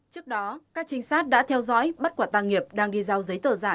trước đó các trinh sát đã theo dõi bắt quả tàng nghiệp đang đi giao giấy tờ giả